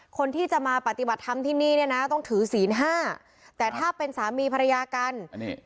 คนที่จะมาปฏิบัติธรรมที่นี่เนี่ยนะต้องถือศีลห้าแต่ถ้าเป็นสามีภรรยากัน